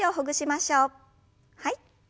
はい。